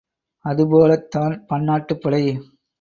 அதுபோலத் தான் பன்னாட்டுப் படை!